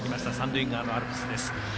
三塁側アルプスです。